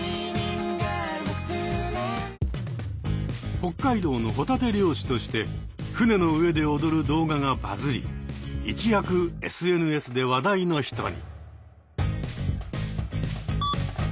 北海道のホタテ漁師として船の上で踊る動画がバズり一躍ＳＮＳで話題の人に。